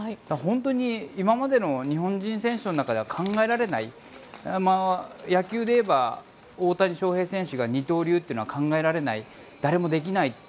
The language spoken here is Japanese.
本当に今までの日本人選手の中では考えられない、野球でいえば大谷翔平選手の二刀流っていうのは考えられない誰もできない。